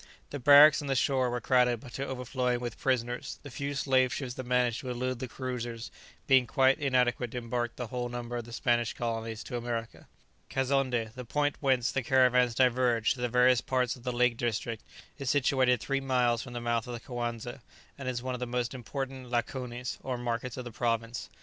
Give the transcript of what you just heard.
The barracks on the shore were crowded to overflowing with prisoners, the few slave ships that managed to elude the cruisers being quite inadequate to embark the whole number for the Spanish colonies to America. Kazonndé, the point whence the caravans diverge to the various parts of the lake district, is situated three miles from the mouth of the Coanza, and is one of the most important lakonis, or markets of the province.